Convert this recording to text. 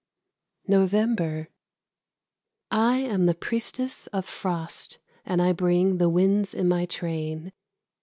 NOVEMBER. I am the priestess of frost, and I bring The winds in my train.